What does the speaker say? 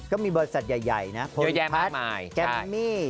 ก็มีบริษัทใหญ่นะโพลิพัฒน์แกมมี่